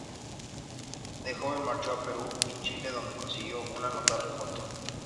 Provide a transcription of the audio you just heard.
De joven, marchó a Perú y Chile, donde consiguió una notable fortuna.